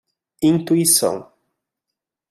Intuição